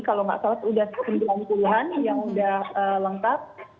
kalau gak salah sudah sembilan belas puluhan yang udah lengkap